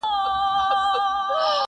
ماسومان حيران ولاړ وي چوپ تل